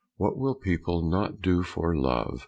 What will people not do for love!"